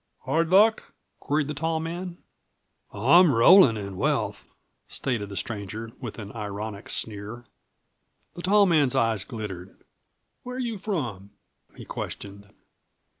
"Hard luck?" queried the tall man. "I'm rollin' in wealth," stated the stranger, with an ironic sneer. The tall man's eyes glittered. "Where you from?" he questioned.